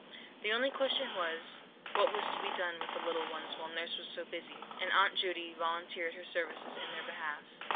The only question was, what was to be done with the little ones while Nurse was so busy; and Aunt Judy volunteered her services in their behalf.